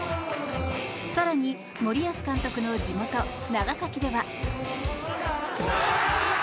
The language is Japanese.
更に森保監督の地元長崎では。